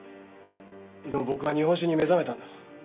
でも僕は日本酒に目覚めたんだ。